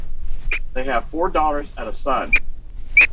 They have four daughters and a son.